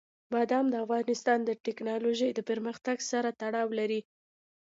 بادام د افغانستان د تکنالوژۍ له پرمختګ سره تړاو لري.